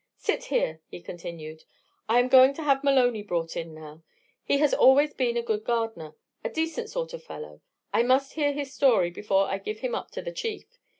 "Sit here," he continued. "I am going to have Maloney brought in now. He has always been a good gardener a decent sort of fellow. I must hear his story before I give him up to the Chief.